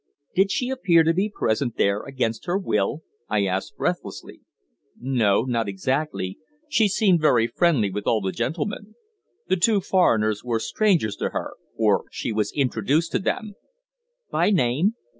"Did she appear to be present there against her will?" I asked breathlessly. "No, not exactly. She seemed very friendly with all the gentlemen. The two foreigners were strangers to her for she was introduced to them." "By name?"